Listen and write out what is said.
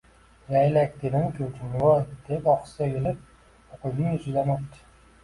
Laylak dedim-ku, jinnivoy,- deb ohista egilib, o’g’lining yuzidan o’pdi.